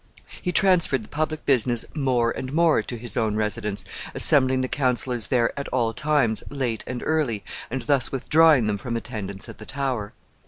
He transferred the public business more and more to his own residence, assembling the councilors there at all times, late and early, and thus withdrawing them from attendance at the Tower.